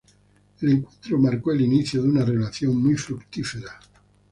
El encuentro marcó el inicio de una relación muy fructífera.